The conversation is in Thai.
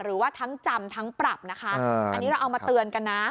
หรือว่าทั้งจำทั้งปรับนะคะอันนี้เราเอามาเตือนกันนะ